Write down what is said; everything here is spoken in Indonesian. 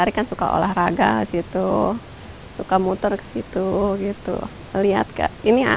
awalnya ibu sari suka olahraga suka memutar ke sana